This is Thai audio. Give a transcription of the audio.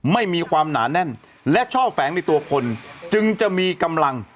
ไม่มีความหนาแน่นและชอบแฝงในตัวคนจึงจะมีกำลัง